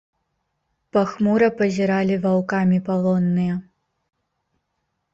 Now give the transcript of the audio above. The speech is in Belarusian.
Пахмура пазіралі ваўкамі палонныя.